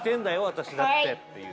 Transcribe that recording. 私だって」っていう。